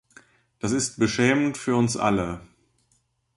Das ist beschämend für uns alle!